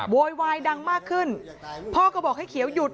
โวยวายดังมากขึ้นพ่อก็บอกให้เขียวหยุด